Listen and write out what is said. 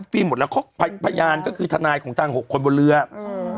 ฟรีหมดแล้วเขาพยานก็คือทนายของทางหกคนบนเรืออืม